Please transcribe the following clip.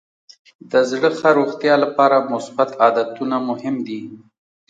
د زړه ښه روغتیا لپاره مثبت عادتونه مهم دي.